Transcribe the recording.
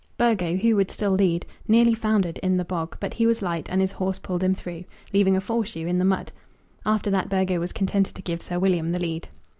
Burgo, who would still lead, nearly foundered in the bog; but he was light, and his horse pulled him through, leaving a fore shoe in the mud. After that Burgo was contented to give Sir William the lead.